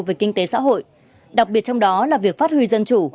về kinh tế xã hội đặc biệt trong đó là việc phát huy dân chủ